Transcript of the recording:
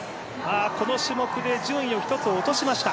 この種目で順位を１つ落としました